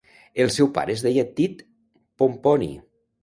El seu pare es deia Tit Pomponi.